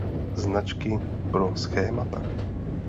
Značky pro schémata